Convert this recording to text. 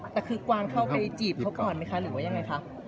แต่คือกวางเข้าไปจีบเขาก่อนนะคะ